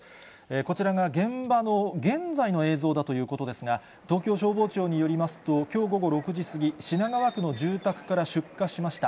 こちらが現場の現在の映像だということですが、東京消防庁によりますと、きょう午後６時過ぎ、品川区の住宅から出火しました。